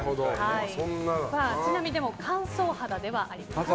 ちなみに乾燥肌ではあります。